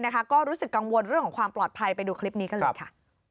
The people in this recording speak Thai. ก็รู้สึกกังวลเรื่องของความปลอดภัยไปดูคลิปนี้กันเลยค่ะ